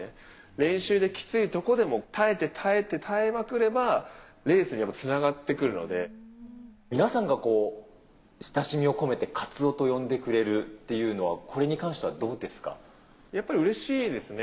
練習できついとこでも耐えて耐えて耐えまくれば、レースにもつな皆さんがこう、親しみを込めてカツオと呼んでくれるっていうのは、これに関してやっぱりうれしいですね。